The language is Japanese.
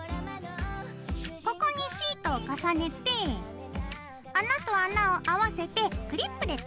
ここにシートを重ねて穴と穴を合わせてクリップでとめよう。